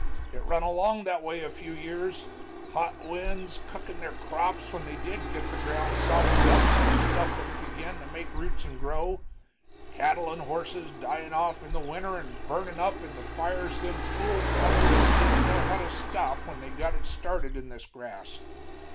It run along that way a few years, hot winds cookin' their crops when they did git the ground softened up so stuff would begin to make roots and grow, cattle and horses dyin' off in the winter and burnin' up in the fires them fool fellers didn't know how to stop when they got started in this grass.